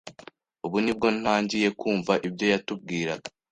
ubu nibwo ntangiye kumva ibyo yatubwiraga